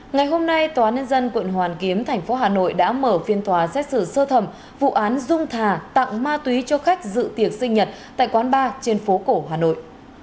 ngày hôm nay tòa nhân dân quận hoàn kiếm thành phố hà nội đã mở phiên tòa xét xử sơ thẩm vụ án dung thà tặng ma túy cho khách dự tiệc sinh nhật tại quán bar trên phố cổ hà nội